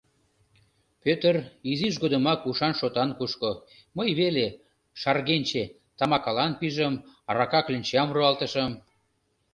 Пӧтыр изиж годымак ушан-шотан кушко, мый веле, шаргенче, тамакалан пижым, арака кленчам руалтышым.